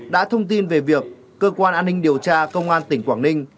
đã thông tin về việc cơ quan an ninh điều tra công an tỉnh quảng ninh